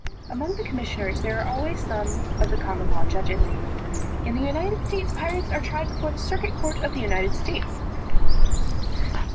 Among the commissioners, there are always some of the common law judges. In the United States, pirates are tried before the circuit court of the United States.